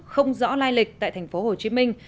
không rõ lai lịch tại thành phố hồ chí minh